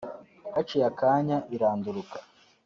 haciye akanya iranduruka